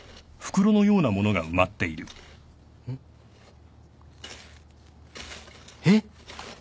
うん？えっ！？